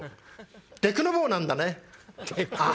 でくの坊なんだね！